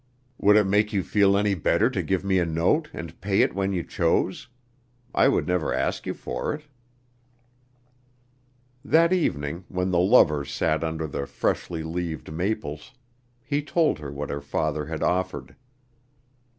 Would it make you feel any better to give me a note and pay it when you chose? I would never ask you for it." That evening when the lovers sat under the freshly leaved maples, he told her what her father had offered.